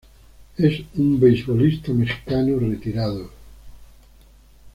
Es un beisbolista mexicano retirado.